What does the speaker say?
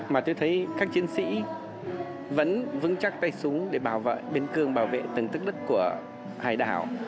mà tôi thấy các chiến sĩ vẫn vững chắc tay súng để bảo vệ biến cường bảo vệ từng tức đất của hải đảo